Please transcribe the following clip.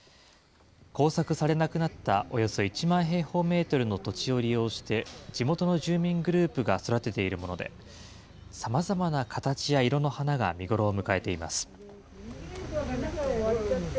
耕作されなくなったおよそ１万平方メートルの土地を利用して、地元の住民グループが育てているもので、さまざまな形や色の花が見頃を迎えています。